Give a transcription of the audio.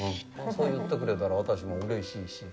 そう言ってくれたら、私もうれしいし。